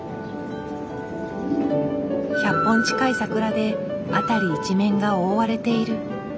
１００本近い桜で辺り一面が覆われている。